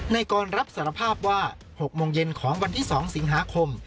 ในกรรับสารภาพว่า๖โมงเย็นของวันที่๒สิงหาคม